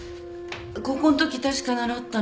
高校のとき確か習ったのよ。